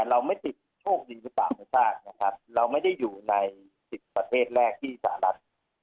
เราไม่ติดโชคดีหรือเปล่าไม่ทราบนะครับเราไม่ได้อยู่ใน๑๐ประเทศแรกที่สหรัฐ